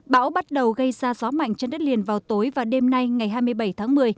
bão bắt đầu gây ra gió mạnh trên đất liền vào tối và đêm nay ngày hai mươi bảy tháng một mươi